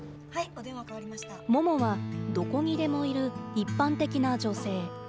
ももは、どこにでもいる一般的な女性。